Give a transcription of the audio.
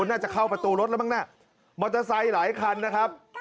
น่าจะเข้าประตูรถแล้วมั้งน่ะมอเตอร์ไซค์หลายคันนะครับ